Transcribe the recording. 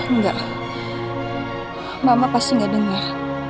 nggak mama pasti nggak denger